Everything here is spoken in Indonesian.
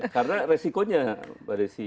karena resikonya pak desi